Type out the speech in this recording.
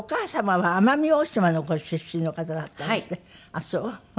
ああそう！